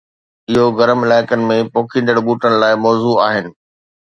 ۽ اهو گرم علائقن ۾ پوکيندڙ ٻوٽن لاءِ موزون آهي